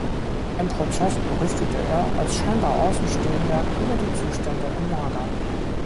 Im Prozess berichtete er als scheinbar Außenstehender über die Zustände im Lager.